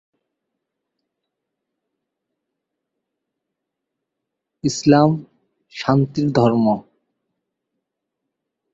আরো আছে প্রাতিষ্ঠানিক ও বহিরাগতদের জন্য কম্পিউটার শেখার বিভিন্ন কোর্সে ভর্তির ব্যবস্থা।